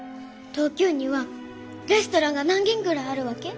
東京にはレストランが何軒ぐらいあるわけ？